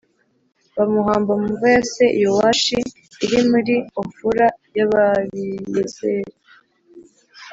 bamuhamba mu mva ya se Yowashi iri muri Ofura y Ababiyezeri